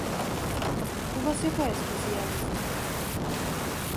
У вас якая спецыяльнасць?